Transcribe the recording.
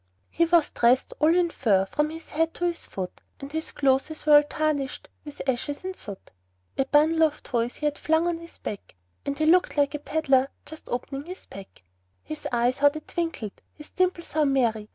He was dressed all in fur from his head to his foot, And his clothes were all tarnished with ashes and soot; A bundle of toys he had flung on his back, And he looked like a peddler just opening his pack; His eyes how they twinkled! his dimples how merry!